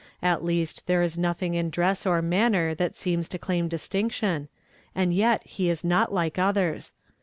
At least there is nothing in dress or manner that seems to claim distinction ; and yet he is not like othei s.